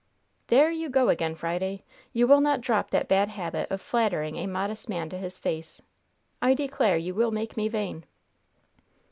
"There you go again, Friday! You will not drop that bad habit of flattering a modest man to his face. I declare you will make me vain."